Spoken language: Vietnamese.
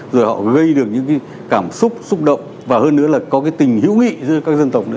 rồi họ gây được những cái cảm xúc xúc động và hơn nữa là có cái tình hữu nghị giữa các dân tộc nữa